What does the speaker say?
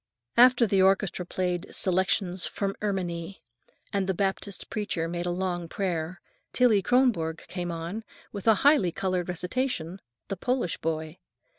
After the orchestra played "Selections from Erminie," and the Baptist preacher made a long prayer, Tillie Kronborg came on with a highly colored recitation, "The Polish Boy."